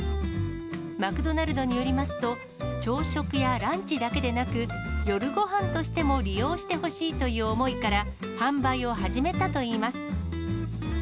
マクドナルドによりますと、朝食やランチだけでなく、夜ごはんとしても利用してほしいという思いから、販売を始めたといいます。